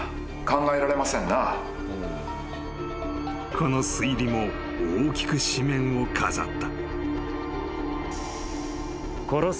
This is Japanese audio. ［この推理も大きく紙面を飾った］